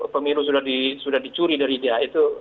pemilu sudah dicuri dari dia